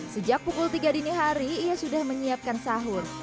sejak pukul tiga dini hari ia sudah menyiapkan sahur